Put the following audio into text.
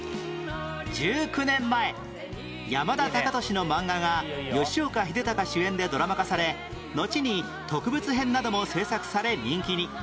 １９年前山田貴敏のマンガが吉岡秀隆主演でドラマ化されのちに特別編なども制作され人気に